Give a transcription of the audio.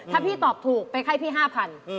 ถ้าพี่ตอบถูกไปให้พี่๕๐๐บาท